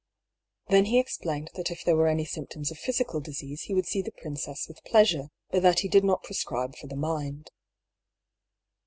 Then he explained that if there were any symptoms of physical disease he would see the princesse with pleasure, but that he did not prescribe for the mind.